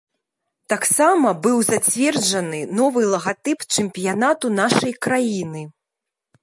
Таксама быў зацверджаны новы лагатып чэмпіянату нашай краіны.